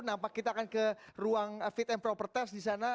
nampak kita akan ke ruang fit and proper test di sana